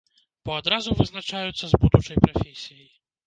Бо адразу вызначаюцца з будучай прафесіяй.